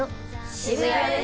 渋谷です。